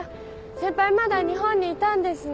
先輩まだ日本にいたんですね。